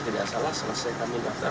tidak salah selesai kami daftar